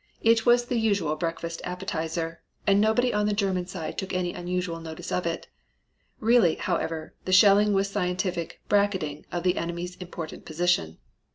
It was the usual breakfast appetizer, and nobody on the German side took any unusual notice of it. Really, however, the shelling was scientific "bracketing" of the enemy's important position.